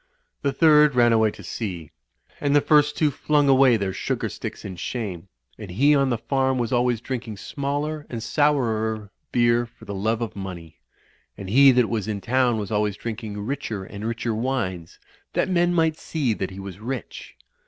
The third ran away to sea. And the first two flung away their sugar sticks in shame; and he on the farm was always drinking smaller and sourer beer for the love of money ; and he that was in town was always drink ing richer and richer wines, that men might see that he was rich.